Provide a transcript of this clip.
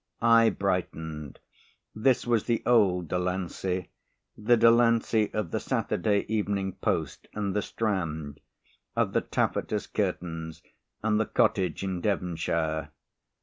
I brightened. This was the old Delancey. The Delancey of the Saturday Evening Post and the Strand, of the taffetas curtains and the cottage in Devonshire.